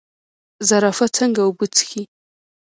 زرافه څنګه اوبه څښي؟